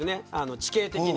地形的に。